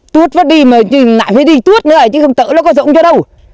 tuốt vất đi mà lại phải đi tuốt nữa chứ không tỡ nó có rộng cho đâu